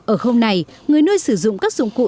ở hôm này người nuôi sử dụng các dụng cụ